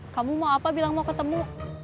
kamu mau apa bilang mau ketemu